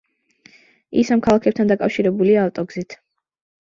ის ამ ქალაქებთან დაკავშირებულია ავტოგზით.